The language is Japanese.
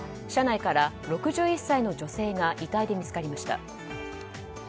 車内から６１歳の女性が遺体で見つかりました。